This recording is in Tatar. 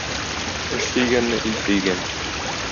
Эш сөйгәнне ил сөйгән.